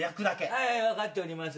はいはい分かっております。